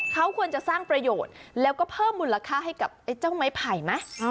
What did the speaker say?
เขาควรจะสร้างประโยชน์แล้วก็เพิ่มมูลค่าให้กับไอ้เจ้าไม้ไผ่ไหม